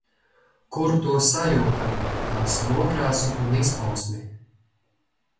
Kur to sajūtam, tās nokrāsu un izpausmi.